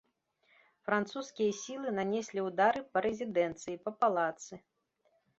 Французскія сілы нанеслі ўдары па рэзідэнцыі, па палацы.